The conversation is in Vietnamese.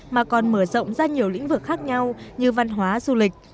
mà còn mở rộng ra nhiều lĩnh vực khác nhau như văn hóa du lịch